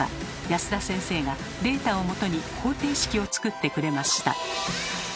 保田先生がデータをもとに方程式を作ってくれました。